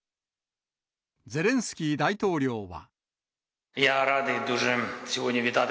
ゼレンスキー大統領は。